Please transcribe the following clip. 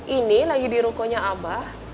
ini lagi di rukonya abah